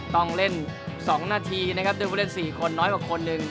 ต้องเล่น๒นาทีนะครับด้วยผู้เล่น๔คนน้อยกว่าคนหนึ่ง